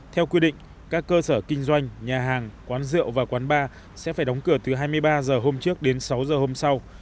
theo quy định các cơ sở kinh doanh nhà hàng quán rượu và quán bar sẽ phải đóng cửa từ hai mươi ba h hôm trước đến sáu h hôm sau